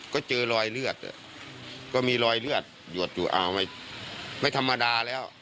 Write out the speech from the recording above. ก็เจอรอยเลือดก็มีรอยเลือดหยดอยู่อ้าวไม่ธรรมดาแล้ว